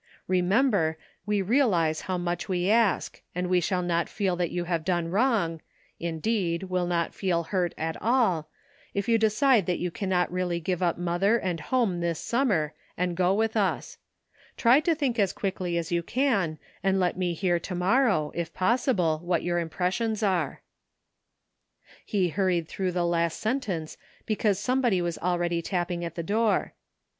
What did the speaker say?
Remember, we realize how much we ask, and we shall not feel that you have done wrong — indeed will not feel hurt at all — if you decide that you cannot really give up mother and home this summer, and go with us. Try to think as quickly as you can, and let me hear to morrow, if possible, what your impressions are." 350 ANOTHER ''SIDE TRACK:' 'He hurried through the last sentence because somebody was already tapping at the door.